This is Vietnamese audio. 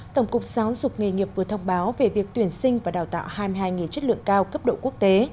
tổng cục giáo dục nghề nghiệp vừa thông báo về việc tuyển sinh và đào tạo hai mươi hai nghề chất lượng cao cấp độ quốc tế